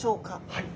はい。